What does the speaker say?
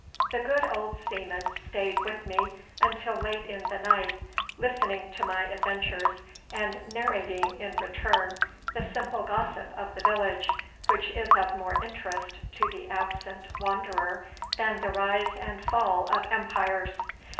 The good old seaman stayed with me until late in the night, listening to my adventures, and narrating in return the simple gossip of the village, which is of more interest to the absent wanderer than the rise and fall of empires.